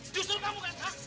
justru kamu kan